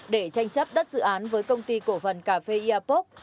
để tranh chấp đất dự án với công ty cổ phần cà phê airpoc